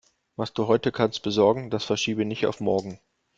Was du heute kannst besorgen, das verschiebe nicht auf morgen.